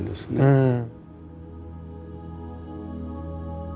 うん。